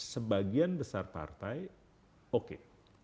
sebagian besar partai oke